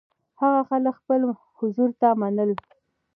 هغه خلک خپل حضور ته منل.